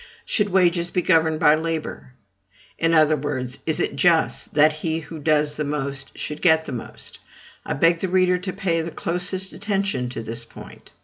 Should wages be governed by labor? In other words, is it just that he who does the most should get the most? I beg the reader to pay the closest attention to this point.